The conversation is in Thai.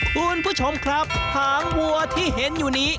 คุณผู้ชมครับหางวัวที่เห็นอยู่นี้